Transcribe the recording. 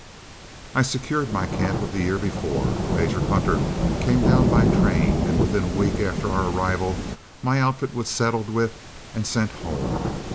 I secured my camp of the year before. Major Hunter came down by train, and within a week after our arrival my outfit was settled with and sent home.